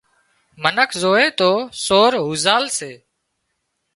منک زووي تو سور هوزال سي